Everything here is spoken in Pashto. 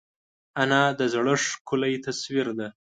انا د زړښت ښکلی تصویر ده